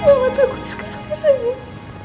mama takut sekali sayang